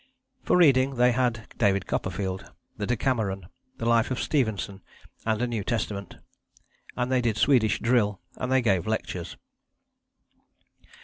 For reading they had David Copperfield, the Decameron, the Life of Stevenson and a New Testament. And they did Swedish drill, and they gave lectures.